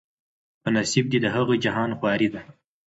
په نصیب دي د هغه جهان خواري ده